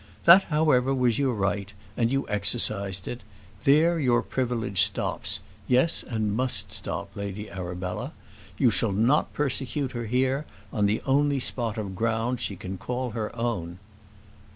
That, however, was your right, and you exercised it. There your privilege stops; yes, and must stop, Lady Arabella. You shall not persecute her here, on the only spot of ground she can call her own."